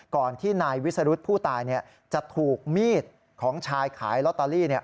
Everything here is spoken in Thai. ก่อนที่นายวิสรุธผู้ตายจะถูกมีดของชายขายลอตเตอรี่